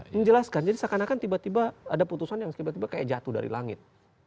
menjelaskan jadi seakan akan tiba tiba ada putusan yang tiba tiba kayak jatuh dari langit